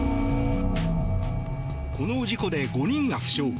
この事故で５人が負傷。